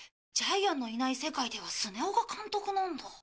ジャイアンのいない世界ではスネ夫が監督なんだ。